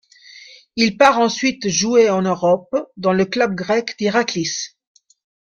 Il part ensuite jouer en Europe, dans le club grec d'Iraklis.